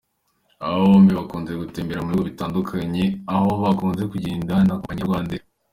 Aba bombi bakunze gutembera mu bihugu bitandukanye aho bakunze kugenda na kompanyi ya Rwandair.